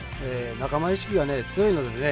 仲間意識が強いのでね